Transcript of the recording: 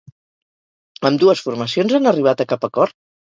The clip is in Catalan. Ambdues formacions han arribat a cap acord?